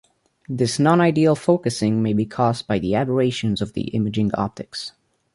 This non-ideal focusing may be caused by aberrations of the imaging optics.